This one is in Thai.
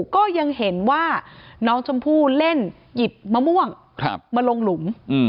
ก็ยังเห็นว่าน้องชมพู่เล่นหยิบมะม่วงมาลงหลุม